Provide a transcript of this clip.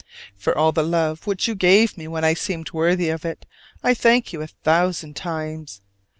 For all the love which you gave me when I seemed worthy of it I thank you a thousand times.